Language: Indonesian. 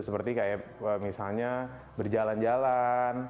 seperti kayak misalnya berjalan jalan